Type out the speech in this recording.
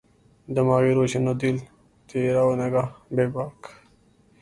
دماغ روشن و دل تیرہ و نگہ بیباک